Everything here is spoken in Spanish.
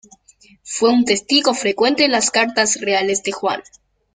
Fue un testigo frecuente en las cartas reales de Juan.